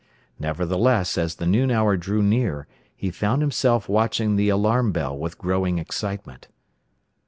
Nevertheless, as the noon hour drew near he found himself watching the alarm bell with growing excitement.